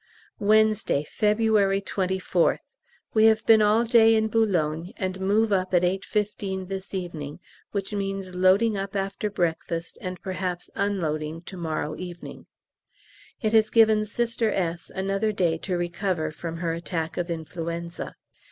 Wednesday, February 24th. We have been all day in Boulogne, and move up at 8.15 this evening, which means loading up after breakfast and perhaps unloading to morrow evening. It has given Sister S. another day to recover from her attack of influenza.